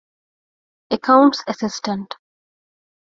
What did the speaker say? އެކައުންޓްސް އެސިސްޓަންޓް